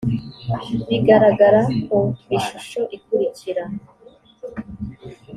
bigaragara ku ishusho ikurikira